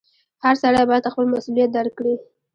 • هر سړی باید خپل مسؤلیت درک کړي.